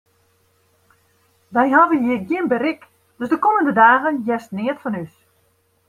Wy hawwe hjir gjin berik, dus de kommende dagen hearst neat fan ús.